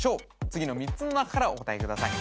次の３つの中からお答えください